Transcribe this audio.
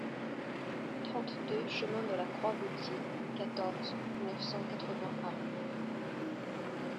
trente-deux chemin de la Croix Vautier, quatorze, neuf cent quatre-vingts à Rots